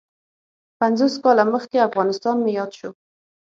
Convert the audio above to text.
پنځوس کاله مخکې افغانستان مې یاد شو.